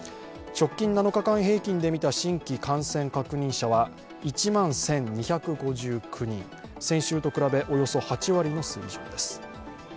直近７日間平均で見た新規感染者数は１万１２５９人、先週に比べておよそ８割の数字です。